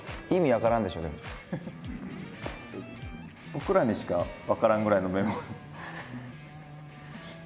僕らにしか分からんぐらいのメモ。